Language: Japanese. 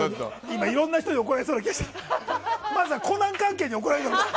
今、いろんな人に怒られそうな気がした。